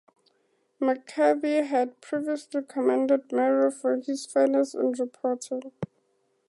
McCarthy had previously commended Murrow for his fairness in reporting.